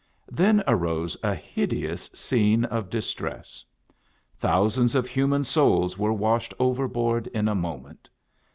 Then arose a hideous scene of distress. Thousands of human souls were washed overboard in a moment.